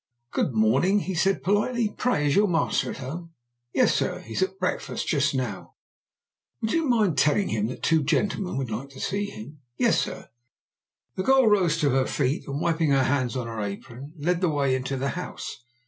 "Good morning," he said politely. "Pray, is your master at home?" "Yes, sir; he's at breakfast just now." "Well, would you mind telling him that two gentlemen would like to see him?" "Yes, sir." The girl rose to her feet, and, wiping her hands on her apron, led the way into the house.